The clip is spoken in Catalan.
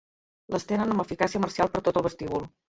L'estenen amb eficàcia marcial per tot el vestíbul.